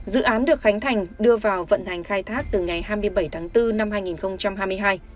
dự án được khánh thành đưa vào vận hành khai thác từ ngày hai mươi bảy tháng bốn năm hai nghìn hai mươi hai